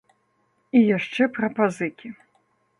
І яшчэ пра пазыкі.